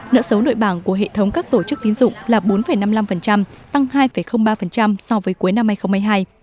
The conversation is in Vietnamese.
nợ xấu nội bảng của hệ thống các tổ chức tín dụng là bốn năm mươi năm tăng hai ba so với cuối năm hai nghìn hai mươi hai